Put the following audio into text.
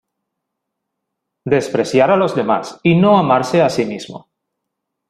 despreciar a los demás y no amarse a sí mismo.